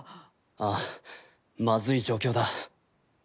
ああまずい状況だ。